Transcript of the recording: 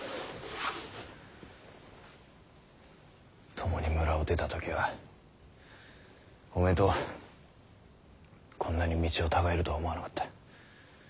共に村を出た時はおめぇとこんなに道を違えるとは思わなかった。